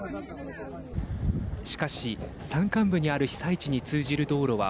しかし、山間部にある被災地に通じる道路は